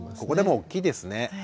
ここでも大きいですね。